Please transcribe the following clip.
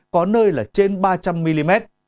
có nơi là trên ba trăm linh mm